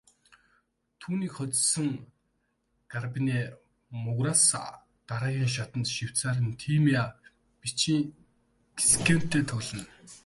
Түүнийг хожсон Гарбинэ Мугуруса дараагийн шатанд Швейцарын Тимея Бачинскитэй тоглоно.